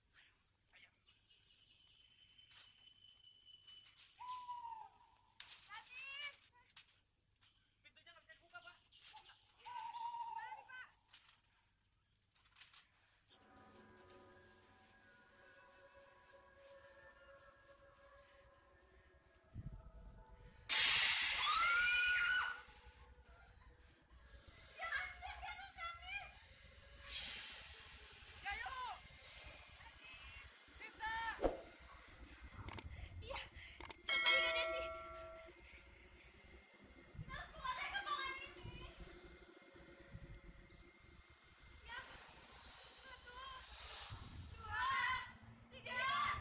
pasti kalian gak ngikutin petunjuk ya